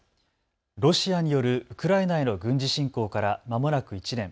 ロシアによるウクライナへの軍事侵攻からまもなく１年。